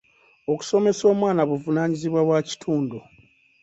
Okusomesa omwana buvunaanyizibwa bwa kitundu.